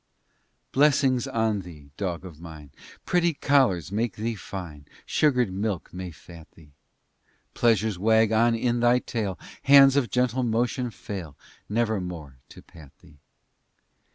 XVI Blessings on thee, dog of mine, Pretty collars make thee fine, Sugared milk may fat thee! Pleasures wag on in thy tail, Hands of gentle motion fail Nevermore to pat thee!